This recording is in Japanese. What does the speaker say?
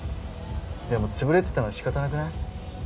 でも潰れてたのはしかたなくない？